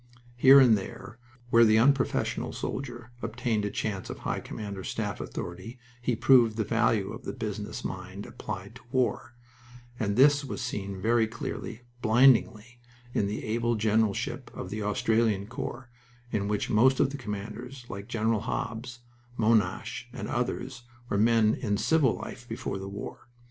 Here and there, where the unprofessional soldier obtained a chance of high command or staff authority, he proved the value of the business mind applied to war, and this was seen very clearly blindingly in the able generalship of the Australian Corps, in which most of the commanders, like Generals Hobbs, Monash, and others, were men in civil life before the war.